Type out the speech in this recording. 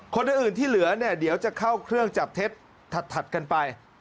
คนอื่นที่เหลือเนี่ยเดี๋ยวจะเข้าเครื่องจับเท็จถัดกันไป